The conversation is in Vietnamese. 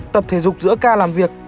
tập thể dục giữa ca làm việc